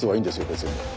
別に。